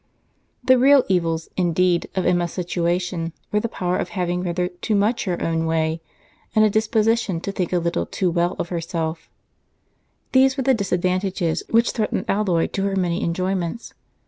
The real evils, indeed, of Emma's situation were the power of having rather too much her own way, and a disposition to think a little too well of herself; these were the disadvantages which threatened alloy to her many enjoyments.